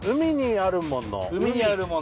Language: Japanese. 海にあるもの